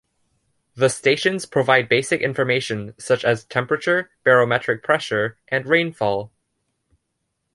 The stations provide basic information such as temperature, barometric pressure, and rain fall.